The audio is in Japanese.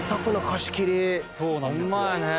ホンマやね。